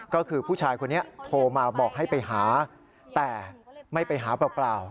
ก็คือผู้ชายคนนี้โทรมาบอกให้ไปหาแต่ไม่ไปหาเปล่า